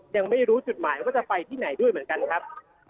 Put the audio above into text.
ยังไม่รู้จุดหมายว่าจะไปที่ไหนด้วยเหมือนกันครับ